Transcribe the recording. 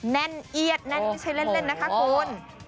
แน่นเอียดแน่นไม่ใช่เล่นนะคะคุณ